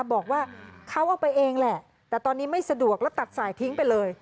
บอกว่าเขาเอาไปเองแหละแต่ตอนนี้ไม่สะดวกแล้วตัดสายทิ้งไปเลย